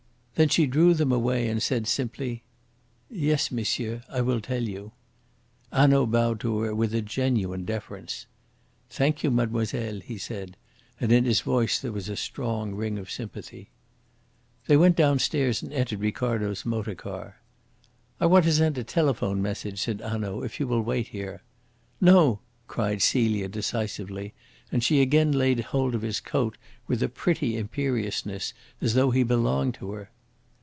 Then she drew them away and said simply: "Yes, monsieur, I will tell you." Hanaud bowed to her with a genuine deference. "Thank you, mademoiselle," he said, and in his voice there was a strong ring of sympathy. They went downstairs and entered Ricardo's motor car. "I want to send a telephone message," said Hanaud, "if you will wait here." "No!" cried Celia decisively, and she again laid hold of his coat, with a pretty imperiousness, as though he belonged to her.